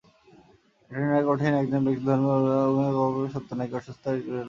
এটা নির্ণয় করা কঠিন একজন ব্যক্তির ধর্মীয় অভিজ্ঞতার গল্প সত্য; নাকি অসুস্থতার ইতিবাচক লক্ষণ।